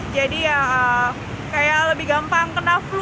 jadi ya kayak lebih gampang kena flu batuk pilek gitu